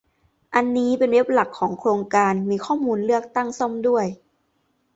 อันนี้เป็นเว็บหลักของโครงการ มีข้อมูลเลือกตั้งซ่อมด้วย